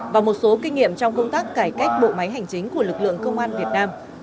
và một số kinh nghiệm trong công tác cải cách bộ máy hành chính của lực lượng công an việt nam